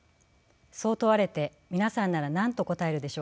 そう問われて皆さんなら何と答えるでしょうか。